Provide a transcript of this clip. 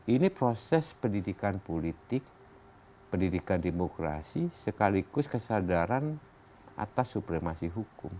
ini proses pendidikan politik pendidikan demokrasi sekaligus kesadaran atas supremasi hukum